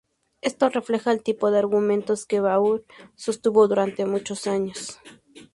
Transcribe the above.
Esto refleja el tipo de argumentos que Bauer sostuvo durante muchos años.